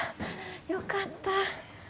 よかった。